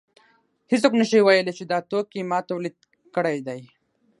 هېڅوک نشي ویلی چې دا توکی ما تولید کړی دی